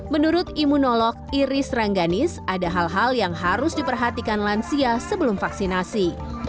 menurut imunolog iris rangganis ada hal hal yang harus diperhatikan lansia sebelum vaksinasi